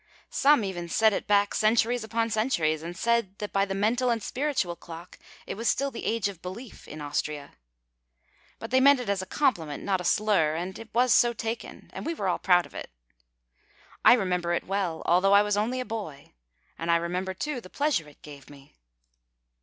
Some even set it away back centuries upon centuries and said that by the mental and spiritual clock it was still the Age of Belief in Austria. But they meant it as a compliment, not a slur, and it was so taken, and we were all proud of it. I remember it well, although I was only a boy; and I remember, too, the pleasure it gave me.